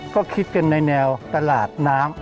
ก็คิดกันในแนวตลาดน้ำ